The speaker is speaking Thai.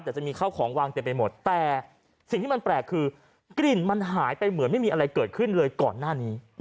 แต่จะมีข้าวของวางเต็มไปหมดแต่สิ่งที่มันแปลกคือกลิ่นมันหายไปเหมือนไม่มีอะไรเกิดขึ้นเลยก่อนหน้านี้